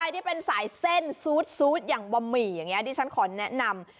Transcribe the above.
ที่เป็นสายเส้นซูดอย่างบะหมี่อย่างนี้ดิฉันขอแนะนำ